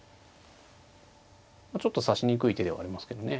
ちょっと指しにくい手ではありますけどね。